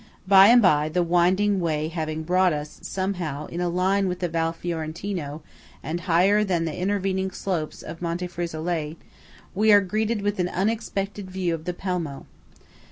By and by, the winding way having brought us, somehow, in a line with the Val Fiorentino and higher than the intervening slopes of Monte Frisolet, we are greeted with an unexpected view of the Pelmo.